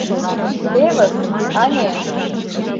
Тевыс, ане!..